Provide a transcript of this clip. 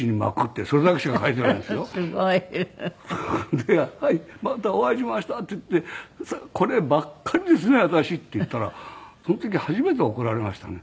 で「はい。また終わりました」って言って「こればっかりですね私」って言ったらその時初めて怒られましたね。